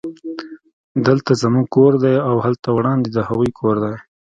دلته زموږ کور دی او هلته وړاندې د هغوی کور دی